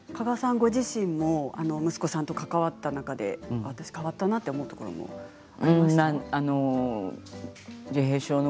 ご自身も息子さんと関わった中で変わったなというところもありましたか？